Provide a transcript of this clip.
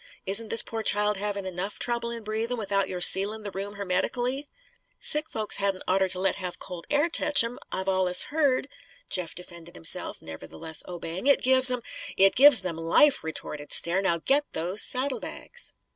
Isn't this poor child having enough trouble in breathing; without your sealing the room hermetically?" "Sick folks hadn't oughter be let have cold air tetch 'em, I've allers heard," Jeff defended himself, nevertheless obeying. "It gives 'em " "It gives them life!" retorted Stair. "Now get those saddlebags!"